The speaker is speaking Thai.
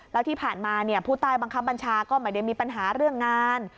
แล้วที่ผ่านมาผู้ใต้บังคับบัญชาก็ไม่ได้มีปัญหาเรื่องงาน